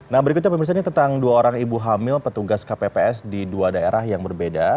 nah berikutnya pemirsa ini tentang dua orang ibu hamil petugas kpps di dua daerah yang berbeda